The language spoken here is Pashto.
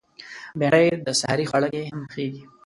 بېنډۍ د سحري خواړه کې هم پخېږي